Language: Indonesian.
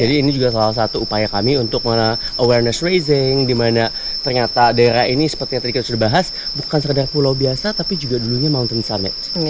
jadi ini juga salah satu upaya kami untuk mengatasi kesadaran dimana ternyata daerah ini seperti yang tadi kita sudah bahas bukan sekedar pulau biasa tapi juga dulunya mountain summit